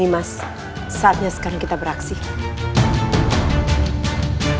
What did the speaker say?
istri dari gusti prabu zirwan